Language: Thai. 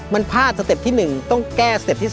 มันพลาดสเต็ปที่๑ต้องแก้สเต็ปที่๒